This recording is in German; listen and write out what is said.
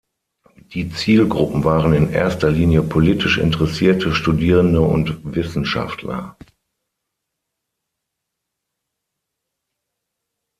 Die Zielgruppen waren in erster Linie politisch Interessierte, Studierende und Wissenschaftler.